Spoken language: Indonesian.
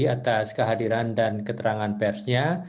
atas kehadiran dan keterangan persnya